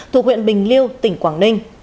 thuộc huyện bình liêu tỉnh quảng ninh